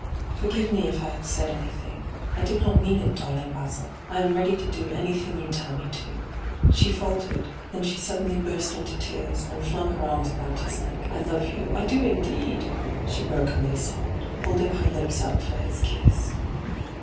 ' Forgive me if I have said anything. I did not mean it, darling Basil. I am ready to do anything you tell me to.' She faltered ; then she suddenly burst into tears, and flung her arms about his neck. ' I love you — I do indeed I' she brokenly sobbed, holding her lips up for his kiss.